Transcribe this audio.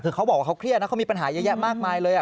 คือเขาบอกว่าเขาเครียดนะเขามีปัญหาเยอะแยะมากมายเลย